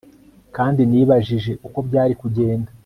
kandi nibajije uko byari kugenda